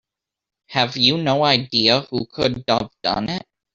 Have you no idea who could have done it?